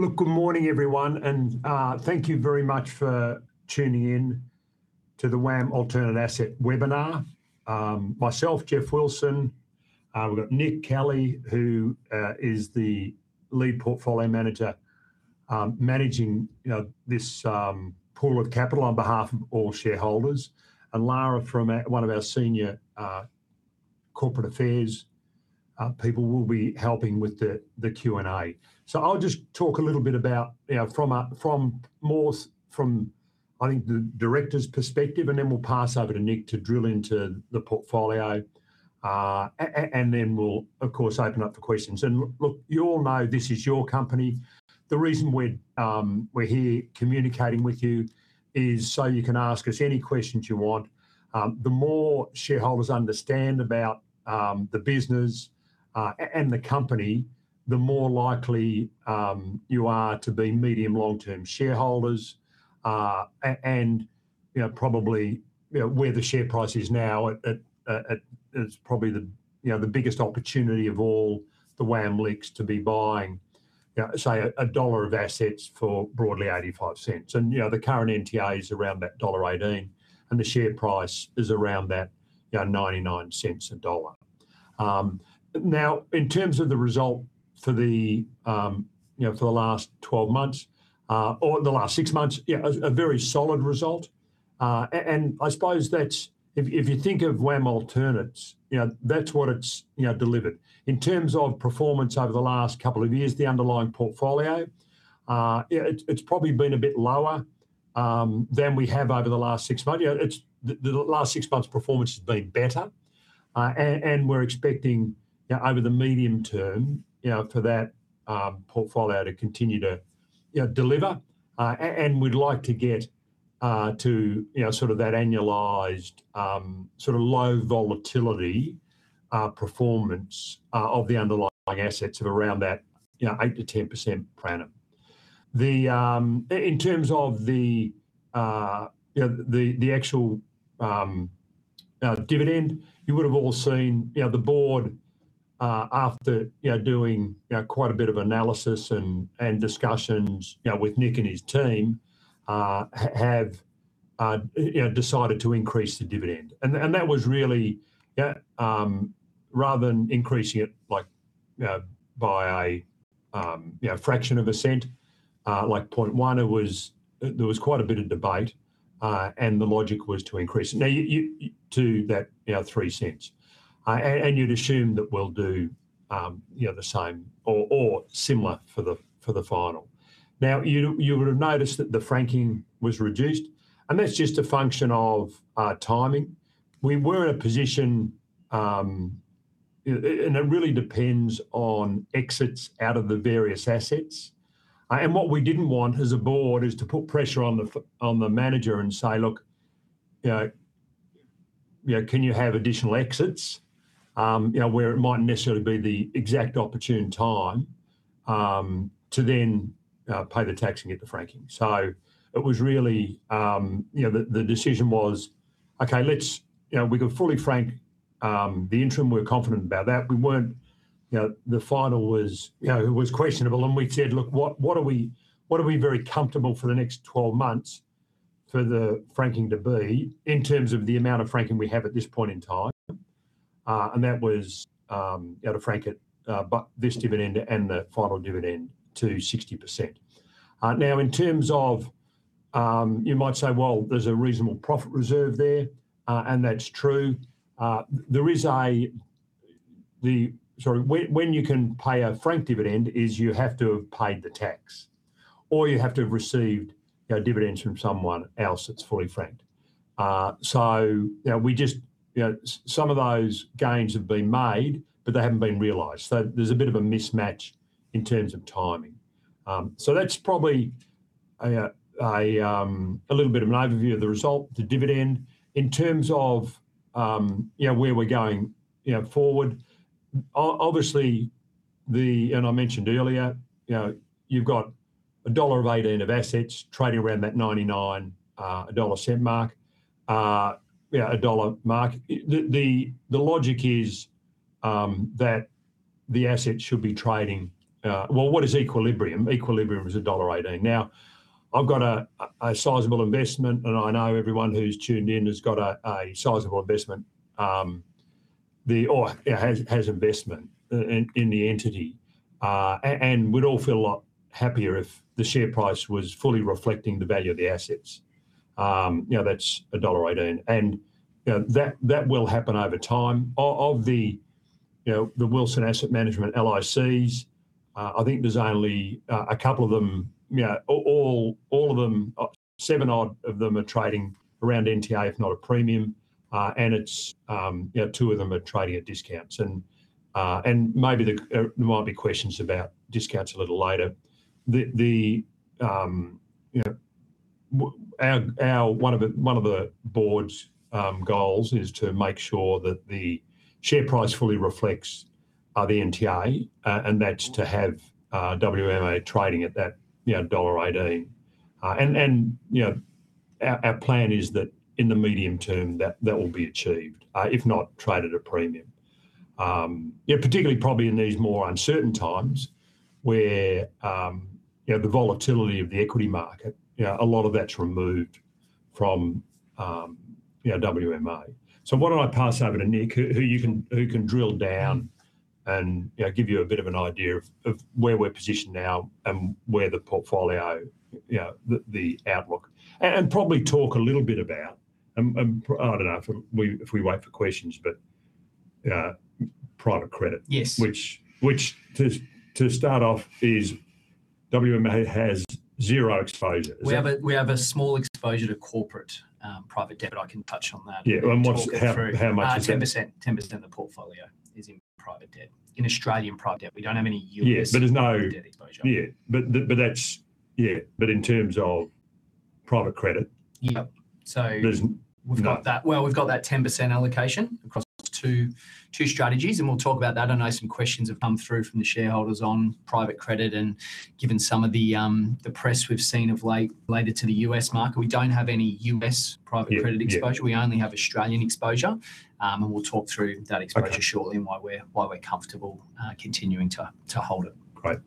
Look, good morning everyone, and thank you very much for tuning in to the WAM Alternative Assets Webinar. Myself, Geoff Wilson, we've got Nick Kelly, who is the lead portfolio manager, managing, you know, this pool of capital on behalf of all shareholders. Lara from one of our senior corporate affairs people will be helping with the Q&A. I'll just talk a little bit about, you know, from, I think, the director's perspective, and then we'll pass over to Nick to drill into the portfolio. And then we'll, of course, open up for questions. Look, you all know this is your company. The reason we're here communicating with you is so you can ask us any questions you want. The more shareholders understand about the business and the company, the more likely you are to be medium long-term shareholders. You know, probably, you know, where the share price is now at, it's probably the biggest opportunity of all the WAM LICs to be buying, you know, say a dollar of assets for broadly 0.85. You know, the current NTA is around dollar 1.18, and the share price is around that, you know, 0.99. Now in terms of the result for the last 12 months or the last six months, yeah, a very solid result. I suppose that's. If you think of WAM Alternative Assets, you know, that's what it's, you know, delivered. In terms of performance over the last couple of years, the underlying portfolio, it's probably been a bit lower than we have over the last six months. You know, it's the last six months performance has been better. And we're expecting, you know, over the medium term, you know, for that portfolio to continue to, you know, deliver. And we'd like to get to, you know, sort of that annualized sort of low volatility performance of the underlying assets of around that, you know, 8%-10% per annum. In terms of the, you know, the actual dividend, you would have all seen, you know, the board after, you know, doing, you know, quite a bit of analysis and discussions, you know, with Nick and his team, have, you know, decided to increase the dividend. That was really, yeah, rather than increasing it like by a fraction of a cent, like 0.1, there was quite a bit of debate and the logic was to increase to that, you know, three cents. You'd assume that we'll do, you know, the same or similar for the final. You would have noticed that the franking was reduced, and that's just a function of timing. We were in a position, and it really depends on exits out of the various assets. What we didn't want as a board is to put pressure on the manager and say, "Look, you know, can you have additional exits?" You know, where it might necessarily be the exact opportune time to then pay the tax and get the franking. It was really, you know, the decision was, "Okay, let's, you know. We can fully frank the interim. We're confident about that." We weren't, you know, the final was questionable, and we said, "Look, what are we very comfortable for the next 12 months for the franking to be in terms of the amount of franking we have at this point in time?" And that was, you know, to frank it, but this dividend and the final dividend to 60%. Now, in terms of, you might say, "Well, there's a reasonable profit reserve there," and that's true. Sorry. When you can pay a franked dividend is you have to have paid the tax, or you have to have received, you know, dividends from someone else that's fully franked. You know, we just, you know, some of those gains have been made, but they haven't been realized. There's a bit of a mismatch in terms of timing. That's probably a little bit of an overview of the result, the dividend. In terms of, you know, where we're going, you know, forward, obviously, I mentioned earlier, you know, you've got 1.18 dollar of assets trading around that 0.99 mark, you know, AUD 1 mark. The logic is that the assets should be trading. Well, what is equilibrium? Equilibrium is dollar 1.18. Now, I've got a sizable investment, and I know everyone who's tuned in has got a sizable investment, or has investment in the entity. And we'd all feel a lot happier if the share price was fully reflecting the value of the assets. You know, that's AUD 1.18. You know, that will happen over time. Of the, you know, the Wilson Asset Management LICs, I think there's only a couple of them, you know, all of them, seven odd of them are trading around NTA, if not a premium, and it's, you know, two of them are trading at discounts. And maybe there might be questions about discounts a little later. You know, one of the board's goals is to make sure that the share price fully reflects the NTA, and that's to have WMA trading at that, you know, AUD 1.18. You know, our plan is that in the medium term, that will be achieved, if not traded at premium. Yeah, particularly probably in these more uncertain times, where you know, the volatility of the equity market, you know, a lot of that's removed from, you know, WMA. Why don't I pass over to Nick, who can drill down and, you know, give you a bit of an idea of where we're positioned now and where the portfolio, you know, the outlook. Probably talk a little bit about. I don't know if we wait for questions, but private credit. Yes To start off, WMA has zero exposure. Is that- We have a small exposure to corporate private debt. I can touch on that. Yeah. How much is that? 10% of the portfolio is in private debt. In Australian private debt. We don't have any U.S.- Yes, but there's no. private debt exposure. Yeah, but in terms of private credit. Yeah. There's none. Well, we've got that 10% allocation across two strategies, and we'll talk about that. I know some questions have come through from the shareholders on private credit, and given some of the press we've seen of late related to the U.S. market, we don't have any U.S. private credit exposure. Yeah. Yeah. We only have Australian exposure. We'll talk through that exposure. Okay Shortly and why we're comfortable continuing to hold it. Great.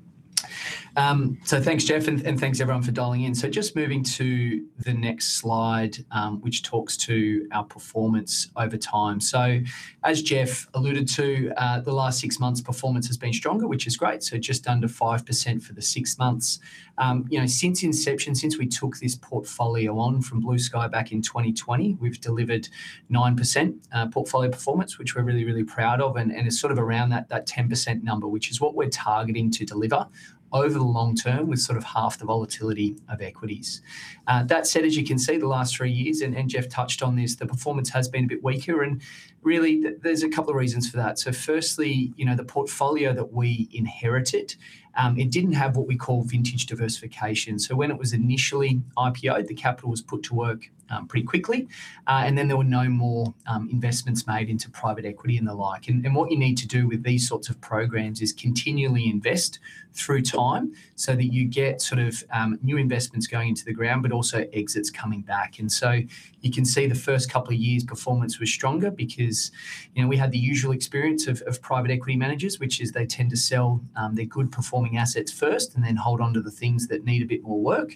Thanks, Geoff, and thanks everyone for dialing in. Just moving to the next slide, which talks to our performance over time. As Geoff alluded to, the last six months' performance has been stronger, which is great, so just under 5% for the six months. You know, since inception, since we took this portfolio on from Blue Sky back in 2020, we've delivered 9%, portfolio performance, which we're really, really proud of, and it's sort of around that 10% number, which is what we're targeting to deliver over the long term, with sort of half the volatility of equities. That said, as you can see, the last three years, and Geoff touched on this, the performance has been a bit weaker, and really there's a couple of reasons for that. Firstly, you know, the portfolio that we inherited, it didn't have what we call vintage diversification. When it was initially IPO'd, the capital was put to work pretty quickly. Then there were no more investments made into private equity and the like. What you need to do with these sorts of programs is continually invest through time so that you get sort of new investments going into the ground, but also exits coming back. You can see the first couple of years' performance was stronger because, you know, we had the usual experience of private equity managers, which is they tend to sell their good performing assets first and then hold on to the things that need a bit more work.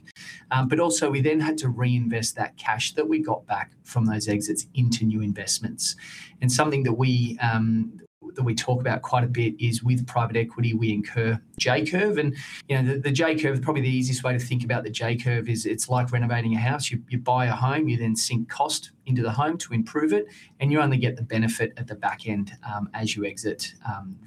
We then had to reinvest that cash that we got back from those exits into new investments. Something that we talk about quite a bit is with private equity, we incur J-curve and, you know, the J-curve. Probably the easiest way to think about the J-curve is it's like renovating a house. You buy a home, you then sink cost into the home to improve it, and you only get the benefit at the back end, as you exit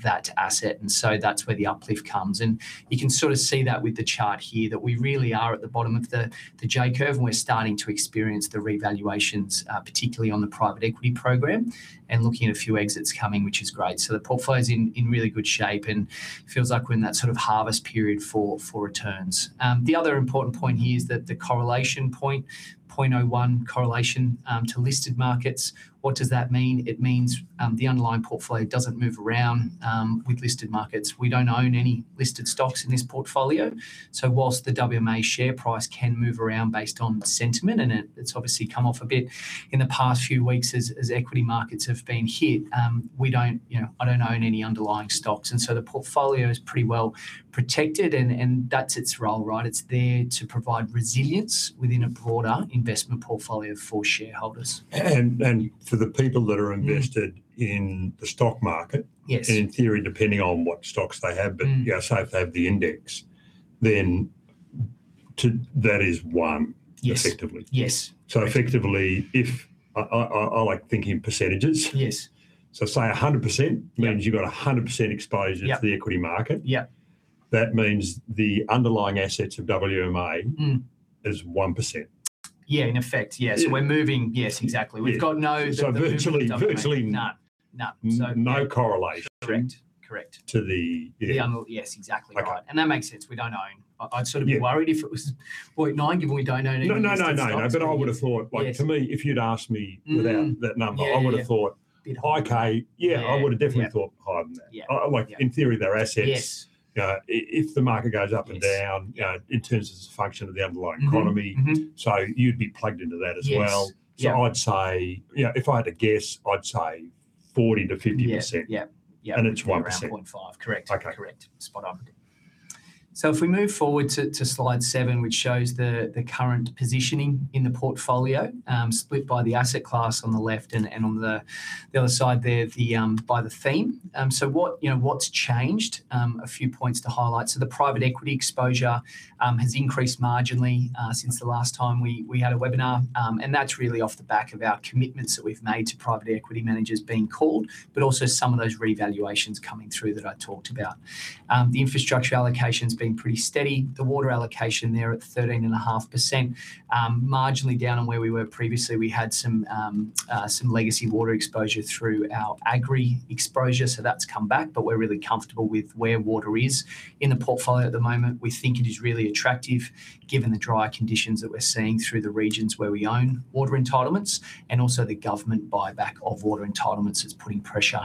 that asset. That's where the uplift comes. You can sort of see that with the chart here, that we really are at the bottom of the J-curve, and we're starting to experience the revaluations, particularly on the private equity program, and looking at a few exits coming, which is great. The portfolio's in really good shape, and feels like we're in that sort of harvest period for returns. The other important point here is that the correlation point, 0.01 correlation to listed markets. What does that mean? It means the underlying portfolio doesn't move around with listed markets. We don't own any listed stocks in this portfolio, so while the WMA share price can move around based on sentiment, and it's obviously come off a bit in the past few weeks as equity markets have been hit, we don't, you know, I don't own any underlying stocks, and so the portfolio is pretty well protected and that's its role, right? It's there to provide resilience within a broader investment portfolio for shareholders. For the people that are invested- Mm in the stock market. Yes In theory, depending on what stocks they have. Mm You know, say if they have the index, that is one. Yes effectively. Yes. I like thinking of percentages. Yes. Say 100%. Yeah means you've got 100% exposure. Yeah to the equity market. Yeah. That means the underlying assets of WMA. Mm is 1%. Yeah. In effect, yeah. Yeah. We're moving. Yes, exactly. Yeah. We've got no- Virtually. None. None. No correlation. Correct. Yeah. Yes, exactly right. Okay. That makes sense. We don't own. Yeah Worried if it was 0.9 given we don't own any of these stocks. No. I would have thought. Yes Like to me, if you'd asked me. Mm without that number. Yeah, yeah. I would've thought. Bit higher. Okay, yeah. Yeah, yeah I would've definitely thought higher than that. Yeah. Yeah. Like, in theory, they're assets. Yes. If the market goes up and down. Yes in terms of as a function of the underlying economy. Mm-hmm. Mm-hmm You'd be plugged into that as well. Yes. Yeah. I'd say, you know, if I had to guess, I'd say 40%-50%. Yeah. Yeah. Yeah. It's 1%. Around 0.5. Correct. Okay. Correct. Spot on. If we move forward to slide seven, which shows the current positioning in the portfolio, split by the asset class on the left and on the other side there by the theme. What, you know, what's changed? A few points to highlight. The private equity exposure has increased marginally since the last time we had a webinar. That's really off the back of our commitments that we've made to private equity managers being called, but also some of those revaluations coming through that I talked about. The infrastructure allocation's been pretty steady. The water allocation there at 13.5%, marginally down on where we were previously. We had some legacy water exposure through our agri exposure, so that's come back, but we're really comfortable with where water is in the portfolio at the moment. We think it is really attractive given the drier conditions that we're seeing through the regions where we own water entitlements, and also the government buyback of water entitlements is putting pressure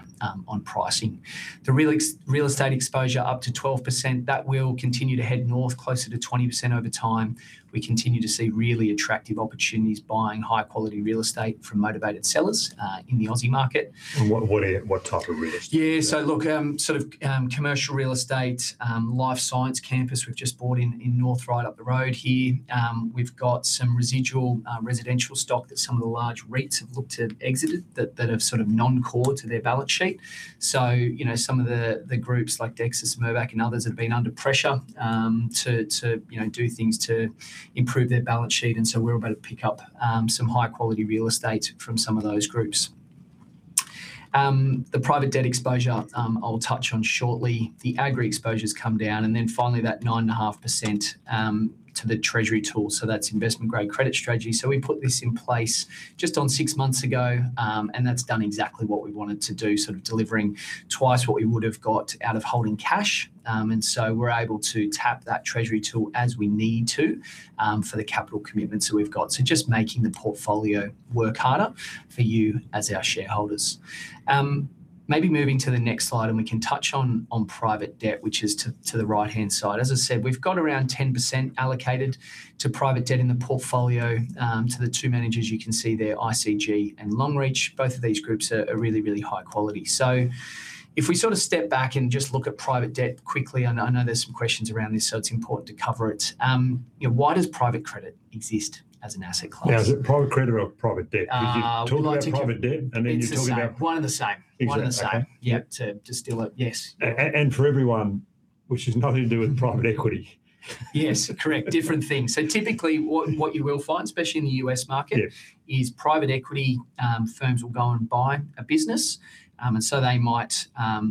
on pricing. The real estate exposure up to 12%, that will continue to head north, closer to 20% over time. We continue to see really attractive opportunities buying high quality real estate from motivated sellers in the Aussie market. What type of real estate? Yeah. Look, sort of, commercial real estate, life science campus we've just bought in North Ryde up the road here. We've got some residual residential stock that some of the large REITs have looked to exit that are sort of non-core to their balance sheet. You know, some of the groups like Dexus, Mirvac, and others have been under pressure to you know, do things to improve their balance sheet, and we're about to pick up some high quality real estate from some of those groups. The private debt exposure, I'll touch on shortly. The agri exposure's come down, and then finally that 9.5% to the treasury pool. That's investment grade credit strategy. We put this in place just on six months ago, and that's done exactly what we want it to do, sort of delivering twice what we would have got out of holding cash. We're able to tap that treasury tool as we need to for the capital commitments that we've got. Just making the portfolio work harder for you as our shareholders. Maybe moving to the next slide, and we can touch on private debt, which is to the right-hand side. As I said, we've got around 10% allocated to private debt in the portfolio, to the two managers you can see there, ICG and Longreach. Both of these groups are really high quality. If we sort of step back and just look at private debt quickly, I know there's some questions around this, so it's important to cover it. You know, why does private credit exist as an asset class? Now, is it private credit or private debt? Uh, would like to- Did you talk about private debt, and then you're talking about? It's the same. One and the same. Exactly. One and the same. Okay. Yep, to distill it. Yes. For everyone, which is nothing to do with private equity. Yes, correct. Different things. Typically, what you will find, especially in the U.S. market. Yeah Private equity firms will go and buy a business. They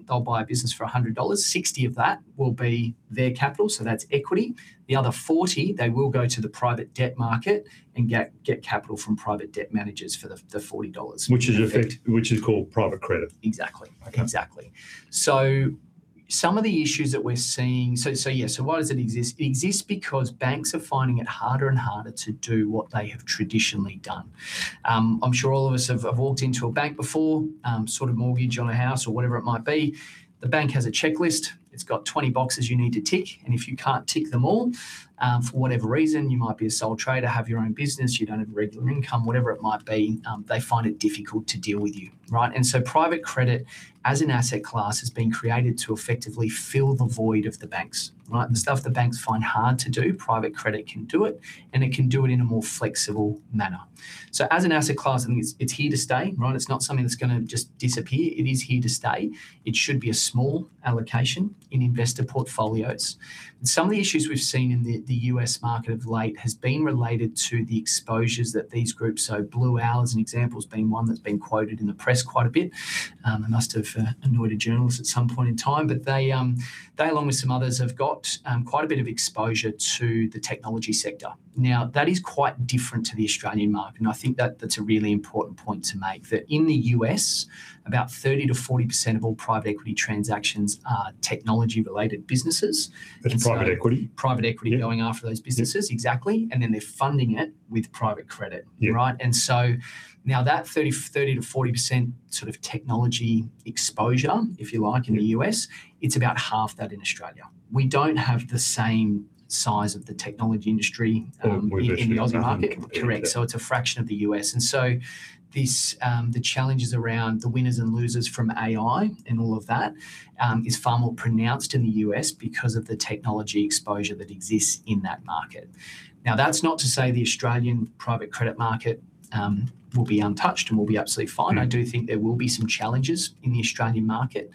will buy a business for 100 dollars. 60 of that will be their capital, so that's equity. The other 40, they will go to the private debt market and get capital from private debt managers for the 40 dollars. Which is called private credit. Exactly. Okay. Exactly. Some of the issues that we're seeing. Yeah, why does it exist? It exists because banks are finding it harder and harder to do what they have traditionally done. I'm sure all of us have walked into a bank before, sort of mortgage on a house or whatever it might be. The bank has a checklist, it's got 20 boxes you need to tick, and if you can't tick them all, for whatever reason, you might be a sole trader, have your own business, you don't have regular income, whatever it might be, they find it difficult to deal with you. Right? Private credit as an asset class has been created to effectively fill the void of the banks. Right? The stuff the banks find hard to do, private credit can do it, and it can do it in a more flexible manner. As an asset class, I think it's here to stay, right? It's not something that's gonna just disappear. It is here to stay. It should be a small allocation in investor portfolios. Some of the issues we've seen in the U.S. market of late has been related to the exposures that these groups, so Blue Owl as an example has been one that's been quoted in the press quite a bit. It must have annoyed a journalist at some point in time, but they along with some others have got quite a bit of exposure to the technology sector. Now, that is quite different to the Australian market, and I think that that's a really important point to make. That in the U.S., about 30%-40% of all private equity transactions are technology-related businesses. That's private equity? Private equity. Yeah Going after those businesses. Yeah. Exactly. They're funding it with private credit. Yeah. Right? Now that 30-40% sort of technology exposure, if you like, in the U.S.- Yeah It's about half that in Australia. We don't have the same size of the technology industry. Or actually even- in the Aussie market. Correct. Yeah. It's a fraction of the U.S. This, the challenges around the winners and losers from AI and all of that, is far more pronounced in the U.S. because of the technology exposure that exists in that market. Now, that's not to say the Australian private credit market will be untouched and will be absolutely fine. Mm. I do think there will be some challenges in the Australian market.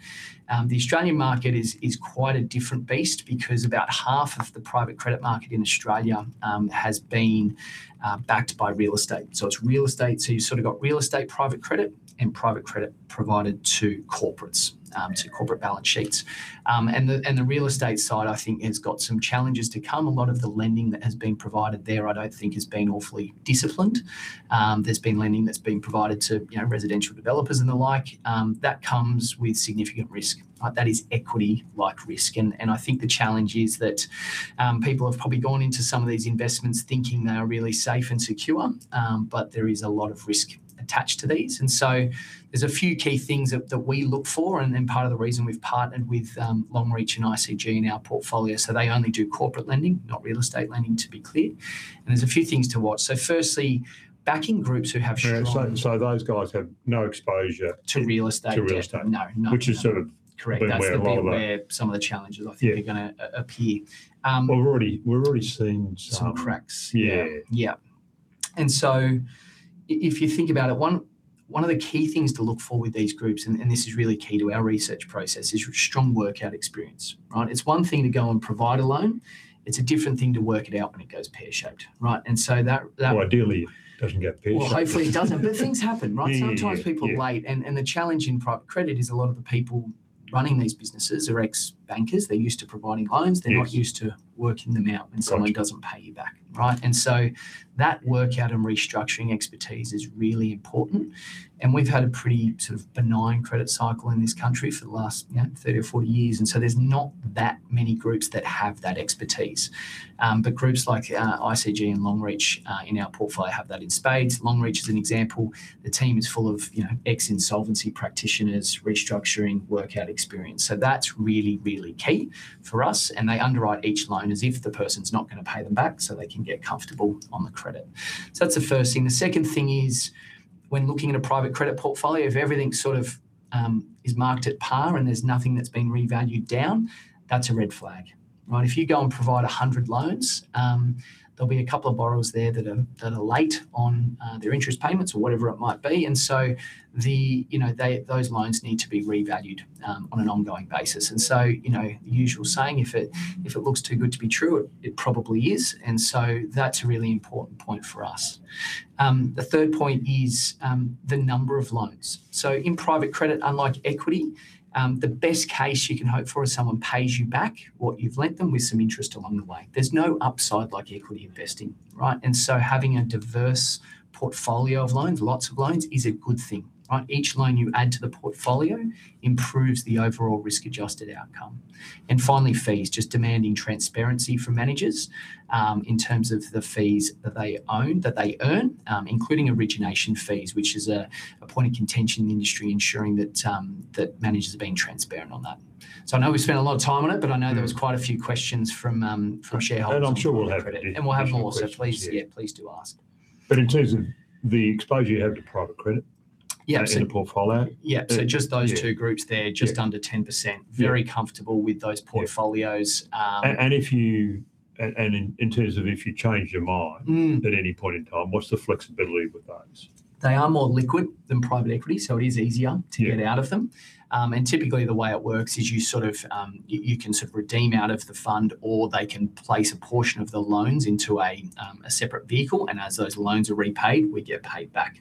The Australian market is quite a different beast because about half of the private credit market in Australia has been backed by real estate. It's real estate. You've sort of got real estate private credit and private credit provided to corporates, to corporate balance sheets. The real estate side I think has got some challenges to come. A lot of the lending that has been provided there I don't think has been awfully disciplined. There's been lending that's been provided to, you know, residential developers and the like. That comes with significant risk. That is equity-like risk. I think the challenge is that people have probably gone into some of these investments thinking they are really safe and secure, but there is a lot of risk attached to these. There's a few key things that we look for, and then part of the reason we've partnered with Longreach and ICG in our portfolio, so they only do corporate lending, not real estate lending, to be clear. There's a few things to watch. Firstly, backing groups who have strong- Yeah, those guys have no exposure. To real estate. to real estate. No, no. Which is sort of. Correct been where a lot of the That's been where some of the challenges, I think. Yeah are gonna appear. Well, we're already seeing some. Some cracks. Yeah. Yeah. If you think about it, one of the key things to look for with these groups, and this is really key to our research process, is strong workout experience, right? It's one thing to go and provide a loan. It's a different thing to work it out when it goes pear-shaped, right? Well, ideally it doesn't go pear shaped. Well, hopefully it doesn't, but things happen, right? Yeah. Yeah. Yeah. Sometimes people are late. The challenge in private credit is a lot of the people running these businesses are ex-bankers. They're used to providing loans. Yes. They're not used to working them out. Gotcha when someone doesn't pay you back, right? That workout and restructuring expertise is really important, and we've had a pretty sort of benign credit cycle in this country for the last, you know, 30 or 40 years, and there's not that many groups that have that expertise. But groups like ICG and Longreach in our portfolio have that in spades. Longreach as an example, the team is full of, you know, ex-insolvency practitioners, restructuring, workout experience. That's really, really key for us, and they underwrite each loan as if the person's not gonna pay them back, so they can get comfortable on the credit. That's the first thing. The second thing is, when looking at a private credit portfolio, if everything sort of is marked at par and there's nothing that's been revalued down, that's a red flag. Right? If you go and provide 100 loans, there'll be a couple of borrowers there that are late on their interest payments or whatever it might be. Those loans need to be revalued on an ongoing basis. The usual saying, "If it looks too good to be true, it probably is." That's a really important point for us. The third point is the number of loans. In private credit, unlike equity, the best case you can hope for is someone pays you back what you've lent them with some interest along the way. There's no upside like equity investing, right? Having a diverse portfolio of loans, lots of loans, is a good thing, right? Each loan you add to the portfolio improves the overall risk-adjusted outcome. Finally, fees, just demanding transparency from managers in terms of the fees that they earn, including origination fees, which is a point of contention in the industry, ensuring that managers are being transparent on that. I know we've spent a lot of time on it. Mm-hmm I know there was quite a few questions from shareholders. I'm sure we'll have additional questions, yeah. We'll have more, so please, yeah, please do ask. In terms of the exposure you have to private credit. Yeah. in the portfolio. Yeah, just those two groups there. Yeah Just under 10%. Yeah. Very comfortable with those portfolios. in terms of if you change your mind. Mm At any point in time, what's the flexibility with those? They are more liquid than private equity, so it is easier. Yeah To get out of them. Typically the way it works is you sort of can sort of redeem out of the fund, or they can place a portion of the loans into a separate vehicle, and as those loans are repaid, we get paid back.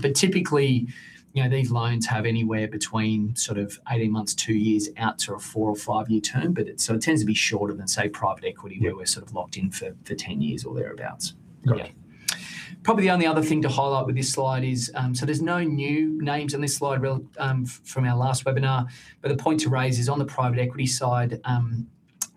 But typically, you know, these loans have anywhere between sort of 18 months, two years, out to a four- or five-year term, but so it tends to be shorter than, say, private equity. Yeah where we're sort of locked in for 10 years or thereabouts. Got it. Yeah. Probably the only other thing to highlight with this slide is, there's no new names on this slide from our last webinar, but the point to raise is on the private equity side,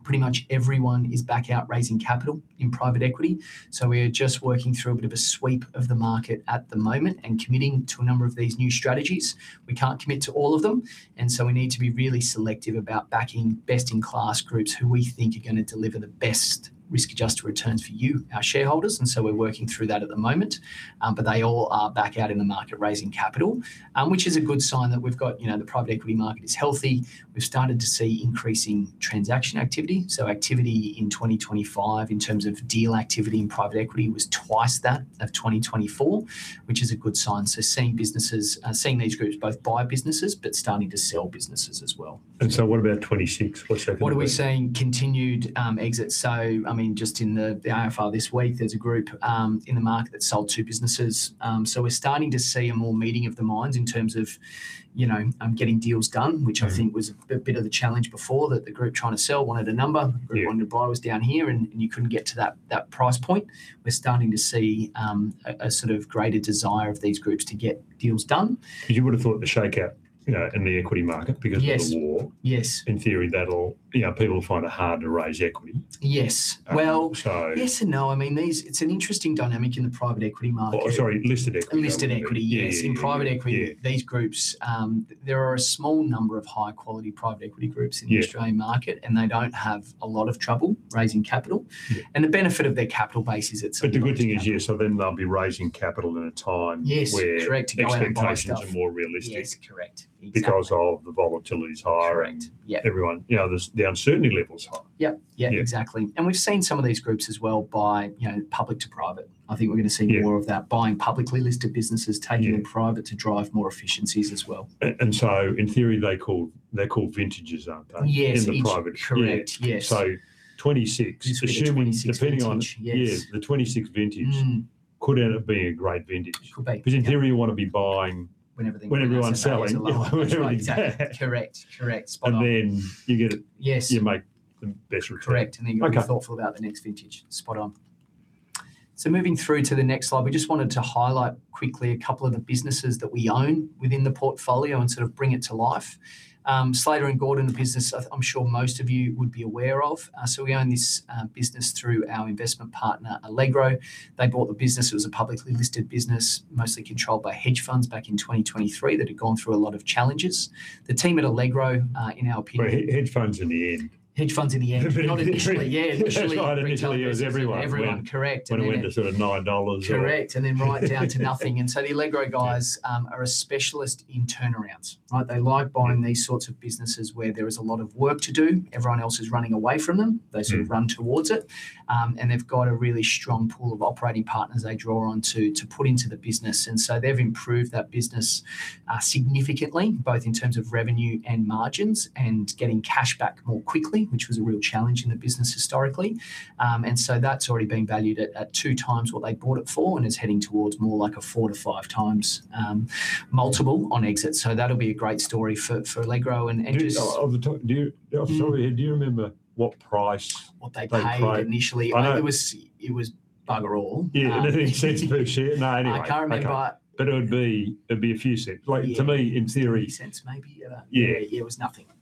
pretty much everyone is back out raising capital in private equity. We're just working through a bit of a sweep of the market at the moment and committing to a number of these new strategies. We can't commit to all of them, and so we need to be really selective about backing best-in-class groups who we think are gonna deliver the best risk-adjusted returns for you, our shareholders, and so we're working through that at the moment. But they all are back out in the market raising capital, which is a good sign that we've got, you know, the private equity market is healthy. We've started to see increasing transaction activity, so activity in 2025 in terms of deal activity in private equity was twice that of 2024, which is a good sign. Seeing these groups both buy businesses, but starting to sell businesses as well. What about 2026? What's happening then? What are we seeing? Continued exits. I mean, just in the AFR this week, there's a group in the market that sold two businesses. We're starting to see a more meeting of the minds in terms of, you know, getting deals done. Yeah which I think was a bit of the challenge before, that the group trying to sell wanted a number. Yeah The group wanting to buy was down here, and you couldn't get to that price point. We're starting to see a sort of greater desire of these groups to get deals done. You would have thought the shakeout, you know, in the equity market because of the war. Yes, yes. In theory, that'll, you know, people will find it harder to raise equity. Yes. Well. So- Yes and no. I mean, these, it's an interesting dynamic in the private equity market. Oh, sorry, listed equity. Listed equity, yes. Yeah, yeah. In private equity. Yeah These groups, there are a small number of high quality private equity groups in the Australian market. Yeah They don't have a lot of trouble raising capital. Yeah. The benefit of their capital base is it's a good capital. The good thing is, yeah, so then they'll be raising capital in a time Yes, correct, to go out and buy stuff. where expectations are more realistic. Yes, correct. Exactly Because of the volatility is higher. Correct. Yeah. everyone, you know, the uncertainty level's high. Yep. Yeah, exactly. Yeah. We've seen some of these groups as well buy, you know, public to private. I think we're gonna see more. Yeah of that, buying publicly listed businesses. Yeah taking them private to drive more efficiencies as well. In theory, they're called vintages, aren't they? Yes. In the private equity. Correct, yes. So 2026- The 2026 vintage. assuming, depending on. Yeah, the 2026 vintage- Mm Could end up being a great vintage. Could be. 'Cause in theory you want to be buying. When everything- When everyone else is selling. Everyone else is alive. That's right, exactly. Yeah. Correct. Correct. Spot on. You get it. Yes You make the best return. Correct. Okay. Then you've got to be thoughtful about the next vintage. Spot on. Moving through to the next slide, we just wanted to highlight quickly a couple of the businesses that we own within the portfolio and sort of bring it to life. Slater and Gordon, the business, I'm sure most of you would be aware of. So we own this business through our investment partner, Allegro. They bought the business. It was a publicly listed business, mostly controlled by hedge funds back in 2023 that had gone through a lot of challenges. The team at Allegro, in our opinion- Hedge funds in the end. Hedge funds in the end. Not initially, yeah. Initially retail investors. That's right, initially it was everyone. everyone. Correct. When it went to sort of 9 dollars or Correct, and then right down to nothing. The Allegro guys- Yeah are a specialist in turnarounds, right? They like buying these sorts of businesses where there is a lot of work to do. Everyone else is running away from them. Mm. They sort of run towards it. They've got a really strong pool of operating partners they draw on to put into the business, and so they've improved that business significantly, both in terms of revenue and margins and getting cash back more quickly, which was a real challenge in the business historically. That's already been valued at 2x what they bought it for, and it's heading towards more like a 4x-5x multiple on exit. That'll be a great story for Allegro and just- Off the top of your head, do you remember what price? What they paid initially? They paid? I know. It was bugger all. Yeah. I think cents per share. No, anyway. I can't remember. It'd be a few cents. Yeah. Like, to me, in theory. few cents, maybe. Yeah. Yeah, it was nothing. Yes.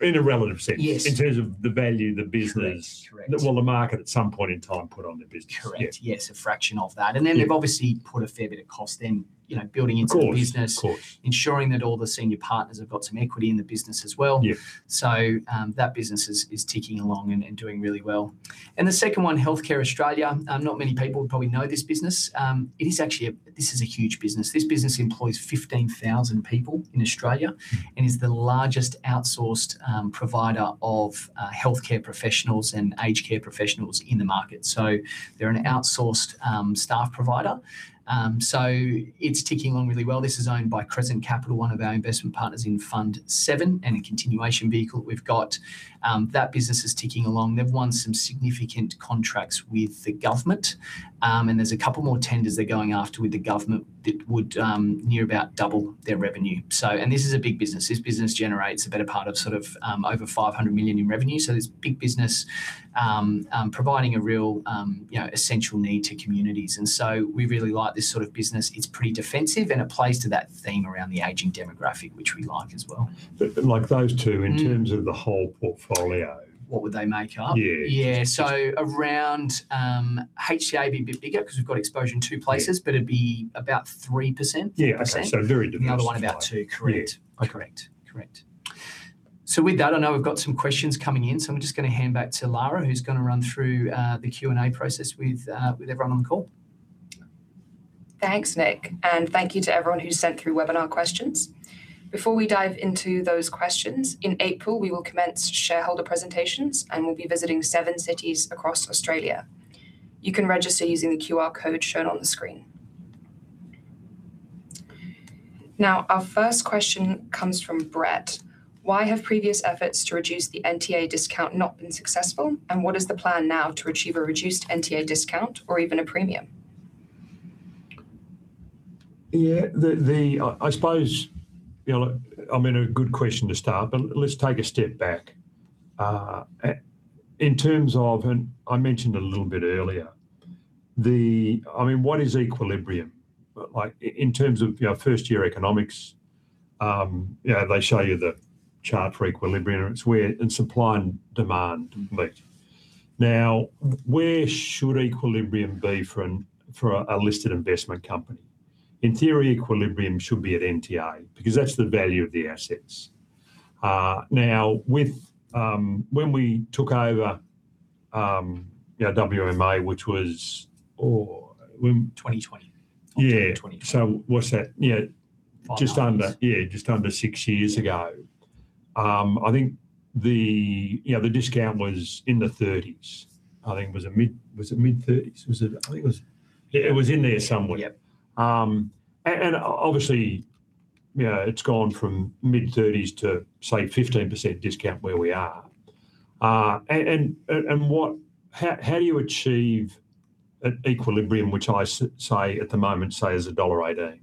In a relative sense. Yes. In terms of the value of the business. Correct. Well, the market at some point in time put on the business. Correct. Yeah. Yes, a fraction of that. Yeah. They've obviously put a fair bit of cost in, you know, building into the business. Of course, of course. Ensuring that all the senior partners have got some equity in the business as well. Yeah. That business is ticking along and doing really well. The second one, Healthcare Australia, not many people probably know this business. It is actually a huge business. This business employs 15,000 people in Australia. Mm It is the largest outsourced provider of healthcare professionals and aged care professionals in the market. They're an outsourced staff provider. It's ticking along really well. This is owned by Crescent Capital Partners, one of our investment partners in Fund Seven, and a continuation vehicle that we've got. That business is ticking along. They've won some significant contracts with the government, and there's a couple more tenders they're going after with the government that would near about double their revenue. This is a big business. This business generates a better part of sort of over 500 million in revenue, so it's a big business providing a real you know essential need to communities. We really like this sort of business. It's pretty defensive, and it plays to that theme around the aging demographic, which we like as well. Like those two. Mm in terms of the whole portfolio. What would they make up? Yeah. Yeah. Around, HCA would be a bit bigger because we've got exposure in two places. Yeah It'd be about 3%. Yeah. 3%. Okay, very defensive. The other one about 2. Correct. Yeah. Correct. With that, I know we've got some questions coming in, so I'm just gonna hand back to Lara, who's gonna run through the Q&A process with everyone on the call. Thanks, Nick, and thank you to everyone who sent through webinar questions. Before we dive into those questions, in April, we will commence shareholder presentations and we'll be visiting seven cities across Australia. You can register using the QR code shown on the screen. Now, our first question comes from Brett: "Why have previous efforts to reduce the NTA discount not been successful, and what is the plan now to achieve a reduced NTA discount or even a premium? That's a good question to start. Let's take a step back. In terms of, I mentioned a little bit earlier. I mean, what is equilibrium? Like in terms of, you know, first year economics, you know, they show you the chart for equilibrium, and it's where supply and demand meet. Now, where should equilibrium be for a listed investment company? In theory, equilibrium should be at NTA because that's the value of the assets. Now, when we took over WMA, which was when- 2020. Yeah. October 2020. What's that? Five and a half years. Just under six years ago. I think, you know, the discount was in the 30s%. I think it was mid-30s%. Yeah, it was in there somewhere. Yep. Obviously, you know, it's gone from mid-30s to, say, 15% discount where we are. How do you achieve an equilibrium, which I say at the moment, say, is AUD 1.18?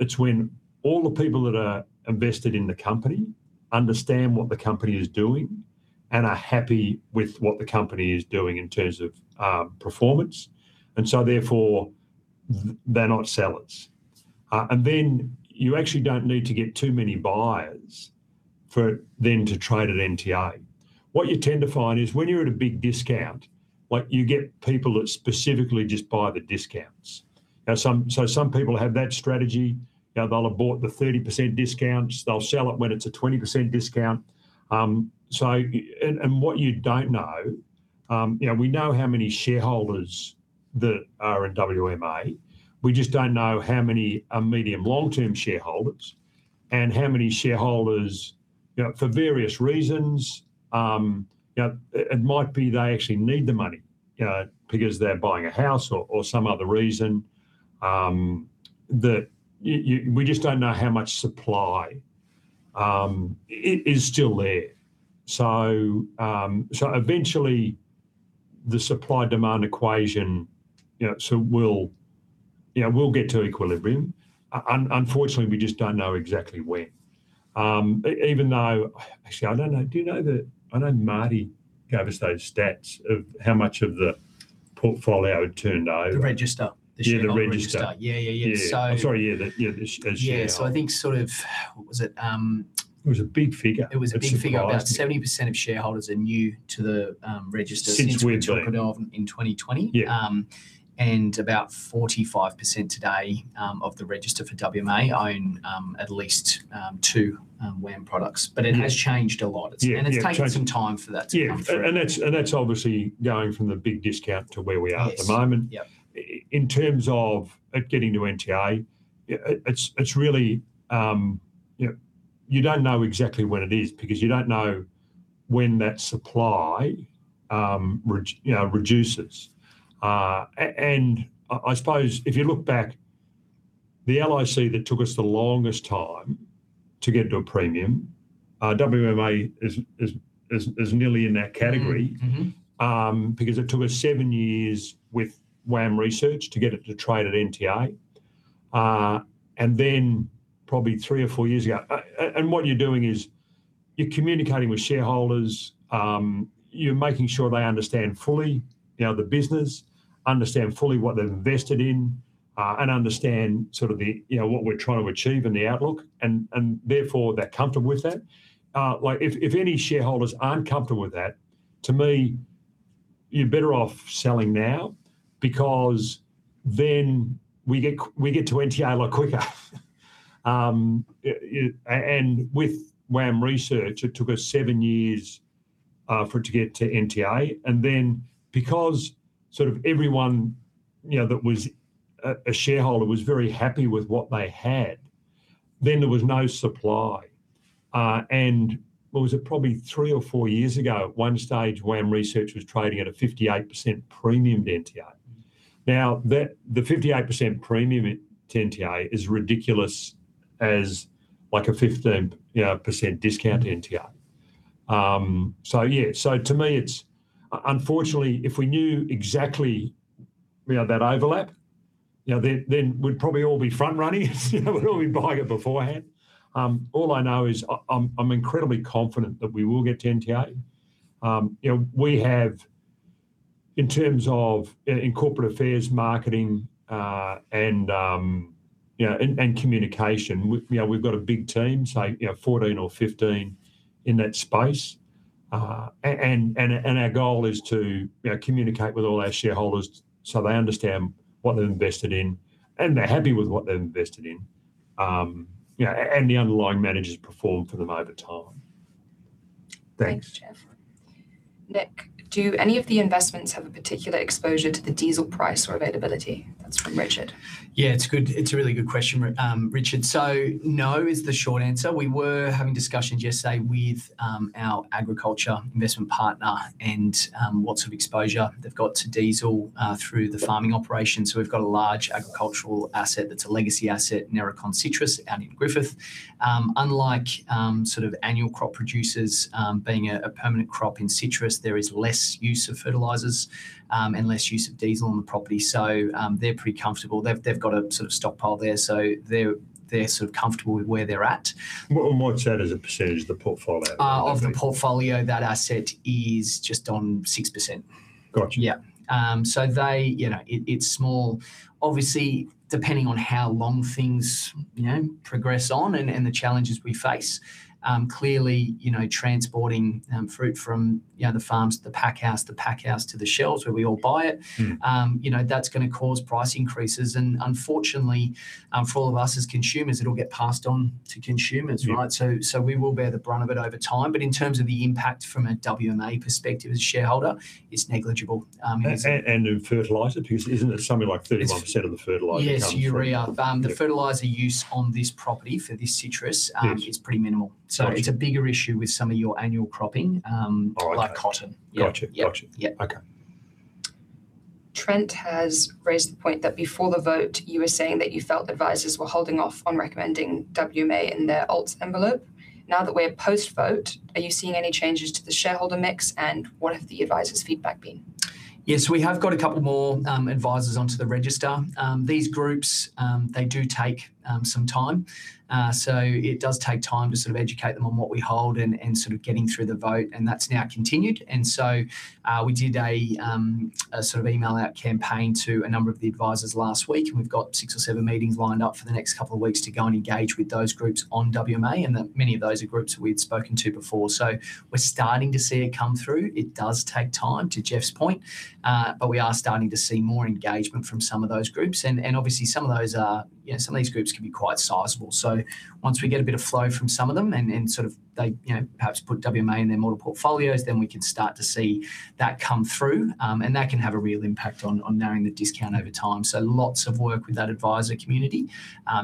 It's when all the people that are invested in the company understand what the company is doing and are happy with what the company is doing in terms of performance, and so therefore they're not sellers. You actually don't need to get too many buyers for then to trade at NTA. What you tend to find is when you're at a big discount, like, you get people that specifically just buy the discounts. So some people have that strategy. You know, they'll have bought the 30% discounts. They'll sell it when it's a 20% discount. What you don't know, you know, we know how many shareholders that are in WMA, we just don't know how many are medium long-term shareholders and how many shareholders, you know, for various reasons. You know, it might be they actually need the money, you know, because they're buying a house or some other reason, that we just don't know how much supply is still there. So eventually the supply-demand equation, you know, we'll get to equilibrium. Unfortunately, we just don't know exactly when. Actually, I don't know. Do you know? I know Marty gave us those stats of how much of the portfolio had turned over. The register. Yeah, the register. The shareholder register. Yeah, yeah. Yeah. So- I'm sorry, yeah, the shares. Yeah, I think sort of. What was it? It was a big figure. It was a big figure. It surprised me. About 70% of shareholders are new to the register. Since we've been Since we took it over in 2020. Yeah. About 45% today of the register for WMA own at least two WAM products. Yeah. It has changed a lot. Yeah, it's changed. It's taken some time for that to come through. Yeah. That's obviously going from the big discount to where we are. Yes at the moment. Yep. In terms of it getting to NTA, it's really, you know, you don't know exactly when it is because you don't know when that supply reduction, you know, reduces. I suppose if you look back, the LIC that took us the longest time to get to a premium, WMA is nearly in that category. Mm. Mm-hmm Because it took us seven years with WAM Research to get it to trade at NTA. Probably three or four years ago. What you're doing is you're communicating with shareholders, you're making sure they understand fully, you know, the business, understand fully what they've invested in, and understand sort of the, you know, what we're trying to achieve and the outlook and therefore they're comfortable with that. Like if any shareholders aren't comfortable with that, to me, you're better off selling now because then we get to NTA a lot quicker. With WAM Research, it took us seven years for it to get to NTA. Then because everyone, you know, that was a shareholder was very happy with what they had, then there was no supply. What was it? Probably three or four years ago, at one stage, WAM Research was trading at a 58% premium to NTA. Now, that, the 58% premium to NTA is ridiculous as, like, a 15, you know, percent discount to NTA. Yeah, so to me it's... Unfortunately, if we knew exactly, you know, that overlap, you know, then we'd probably all be front running you know, we'd all be buying it beforehand. All I know is I'm incredibly confident that we will get to NTA. You know, we have, in terms of in corporate affairs, marketing, and, you know, and communication, we, you know, we've got a big team, say, you know, 14 or 15 in that space. Our goal is to, you know, communicate with all our shareholders so they understand what they've invested in, and they're happy with what they've invested in, you know, the underlying managers perform for them over time. Thanks. Thanks, Geoff. Nick, do any of the investments have a particular exposure to the diesel price or availability? That's from Richard. Yeah, it's good. It's a really good question, Richard. No is the short answer. We were having discussions yesterday with our agriculture investment partner and what sort of exposure they've got to diesel through the farming operation. We've got a large agricultural asset that's a legacy asset, Nericon Citrus, out in Griffith. Unlike sort of annual crop producers, being a permanent crop in citrus, there is less use of fertilizers and less use of diesel on the property. They're pretty comfortable. They've got a sort of stockpile there, so they're sort of comfortable with where they're at. What's that as a percentage of the portfolio there, Nick? Of the portfolio, that asset is just on 6%. Gotcha. It's small. Obviously, depending on how long things, you know, progress on and the challenges we face, clearly, you know, transporting fruit from, you know, the farms to the pack house, the pack house to the shelves where we all buy it. Mm. You know, that's gonna cause price increases. Unfortunately, for all of us as consumers, it'll get passed on to consumers, right? Yeah. We will bear the brunt of it over time. In terms of the impact from a WMA perspective as a shareholder, it's negligible. The fertilizer, because isn't it something like 31% of the fertilizer comes from- Yes, urea. The fertilizer use on this property for this citrus. Yes is pretty minimal. Gotcha. It's a bigger issue with some of your annual cropping. Oh, okay. Like cotton. Yeah. Gotcha. Yeah. Gotcha. Yeah. Okay. Trent has raised the point that before the vote, you were saying that you felt advisors were holding off on recommending WMA in their alts envelope. Now that we're post-vote, are you seeing any changes to the shareholder mix? What has the advisors' feedback been? Yes, we have got a couple more advisors onto the register. These groups they do take some time. It does take time to sort of educate them on what we hold and sort of getting through the vote, and that's now continued. We did a sort of email out campaign to a number of the advisors last week, and we've got six or seven meetings lined up for the next couple of weeks to go and engage with those groups on WMA, and many of those are groups we'd spoken to before. We're starting to see it come through. It does take time, to Geoff's point. We are starting to see more engagement from some of those groups. Obviously, some of those are, you know, some of these groups can be quite sizable. Once we get a bit of flow from some of them and sort of they, you know, perhaps put WMA in their model portfolios, then we can start to see that come through. That can have a real impact on narrowing the discount over time. Lots of work with that advisor community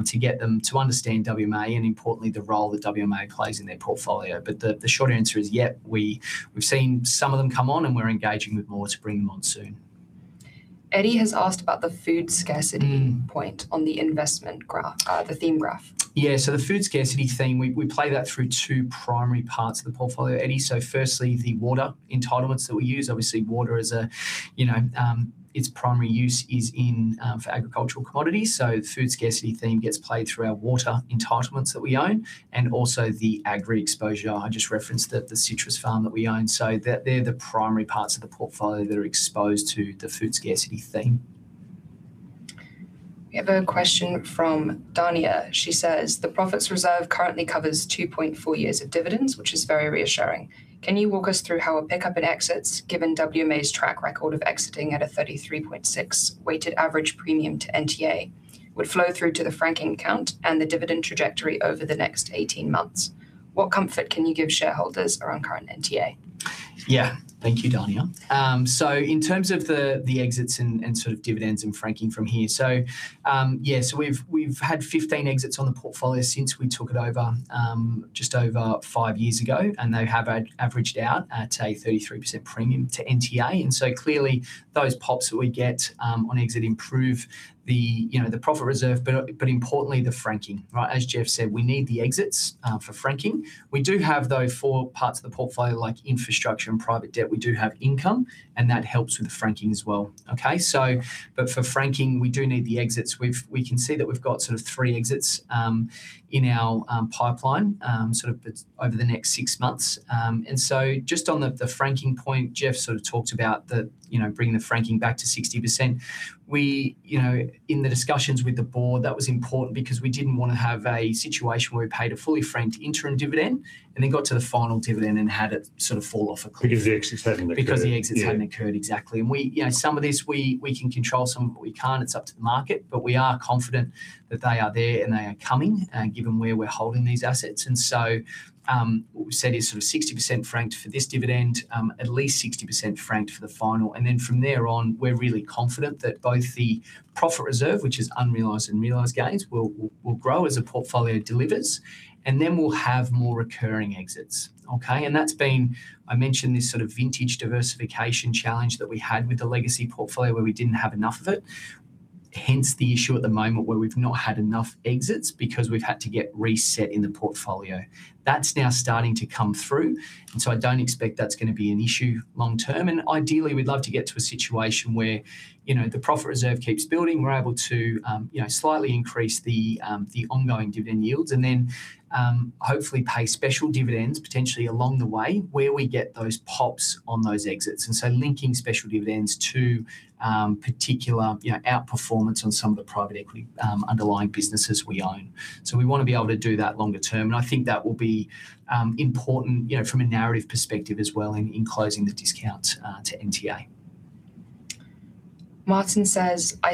to get them to understand WMA and importantly the role that WMA plays in their portfolio. The short answer is, yeah, we've seen some of them come on, and we're engaging with more to bring them on soon. Eddie has asked about the food scarcity- Mm -point on the investment graph, the theme graph. Yeah. The food scarcity theme, we play that through two primary parts of the portfolio, Eddie. Firstly, the water entitlements that we use. Obviously, water is a, you know, its primary use is in for agricultural commodities, so the food scarcity theme gets played through our water entitlements that we own and also the agri exposure. I just referenced the citrus farm that we own. That they're the primary parts of the portfolio that are exposed to the food scarcity theme. We have a question from Dania. She says: "The profit reserve currently covers 2.4 years of dividends, which is very reassuring. Can you walk us through how a pickup in exits, given WMA's track record of exiting at a 33.6 weighted average premium to NTA, would flow through to the franking account and the dividend trajectory over the next 18 months? What comfort can you give shareholders around current NTA? Yeah. Thank you, Dania. In terms of the exits and sort of dividends and franking from here, we've had 15 exits on the portfolio since we took it over just over five years ago, and they have averaged out at a 33% premium to NTA. Clearly those pops that we get on exit improve the you know the profit reserve, but importantly the franking, right? As Geoff said, we need the exits for franking. We do have though for parts of the portfolio like infrastructure and private debt income, and that helps with the franking as well, okay? For franking, we do need the exits. We can see that we've got sort of three exits in our pipeline sort of over the next six months. Just on the franking point, Geoff sort of talked about, you know, bringing the franking back to 60%. You know, in the discussions with the board, that was important because we didn't wanna have a situation where we paid a fully franked interim dividend and then got to the final dividend and had it sort of fall off a cliff. Because the exits hadn't occurred. Because the exits hadn't occurred, exactly. Yeah. We, you know, some of this we can control, some of it we can't. It's up to the market. We are confident that they are there and they are coming, given where we're holding these assets. What we said is sort of 60% franked for this dividend, at least 60% franked for the final, and then from there on, we're really confident that both the profit reserve, which is unrealized and realized gains, will grow as the portfolio delivers. Then we'll have more recurring exits, okay? That's been. I mentioned this sort of vintage diversification challenge that we had with the legacy portfolio where we didn't have enough of it. Hence the issue at the moment where we've not had enough exits because we've had to get reset in the portfolio. That's now starting to come through, and so I don't expect that's gonna be an issue long term. Ideally, we'd love to get to a situation where, you know, the profit reserve keeps building, we're able to, you know, slightly increase the ongoing dividend yields, and then, hopefully pay special dividends potentially along the way where we get those pops on those exits, and so linking special dividends to, particular, you know, outperformance on some of the private equity, underlying businesses we own. We wanna be able to do that longer term, and I think that will be important, you know, from a narrative perspective as well in closing the discount to NTA. I